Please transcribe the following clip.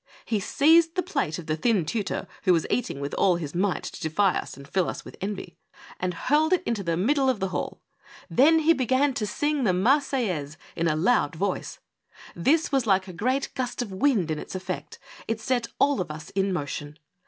He seized the plate ' the n*' t tutor, who was eating with all his might to del'/ ey : fill us with envy, and hurled it into the mid? 81 ^ BIG MICHG, die of tlie hall ; then he began to sing the " Marseillaise" in a loud voice. This was like a great gust of wind in its effect — it set all of us in motion.